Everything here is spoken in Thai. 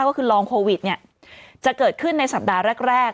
ก็คือลองโควิดจะเกิดขึ้นในสัปดาห์แรก